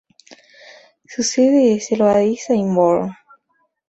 Su sede se localiza en Bonn.